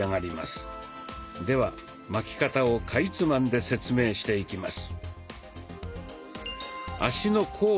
では巻き方をかいつまんで説明していきます。